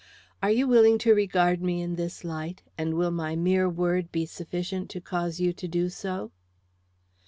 Are you willing to regard me in this light, and will my mere word be sufficient to cause you to do so?"